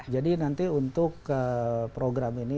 jadi nanti untuk program ini